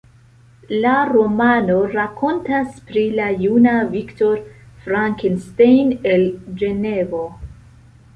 La romano rakontas pri la juna Victor Frankenstein el Ĝenevo.